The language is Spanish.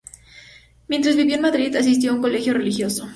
Mientras vivió en Madrid asistió a un colegio religioso.